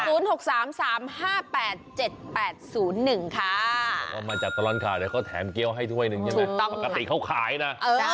บอกว่ามาจากตลอดข่าวเนี่ยก็แถมเกี้ยวให้ทุกวันนึงกันนะ